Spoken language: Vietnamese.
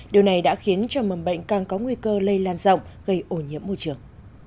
điều này đã khiến cho mầm bệnh càng có nguy cơ lây lan rộng gây ổ nhiễm môi trường